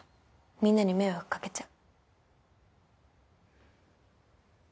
みんなに迷惑かけちゃう。